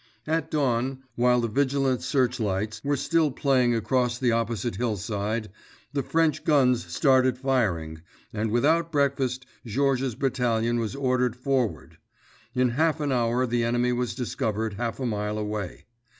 At dawn, while the vigilant searchlights were still playing across the opposite hillside, the French guns started firing, and, without breakfast, Georges's battalion was ordered forward. In half an hour the enemy was discovered half a mile away.